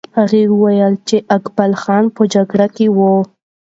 هغه وویل چې اقبال خان په جګړه کې وو.